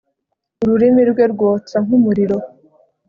ururimi rwe rwotsa nk'umuriro